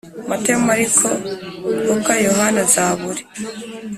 Matayo Mariko Luka Yohana Zaburi